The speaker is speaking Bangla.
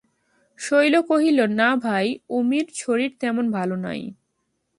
শৈল কহিল, না ভাই, উমির শরীর তেমন ভালো নাই।